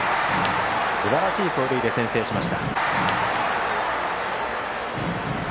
すばらしい走塁で先制しました。